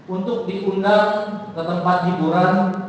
untuk diundang ke tempat hiburan